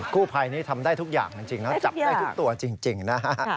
กู้ภัยนี้ทำได้ทุกอย่างจริงนะจับได้ทุกตัวจริงนะฮะ